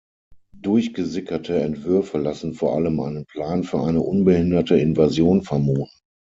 Durchgesickerte Entwürfe lassen vor allem einen Plan für eine unbehinderte Invasion vermuten.